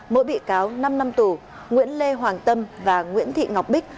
mỗi bị cáo năm năm tù nguyễn lê hoàng tâm và nguyễn thị ngọc bích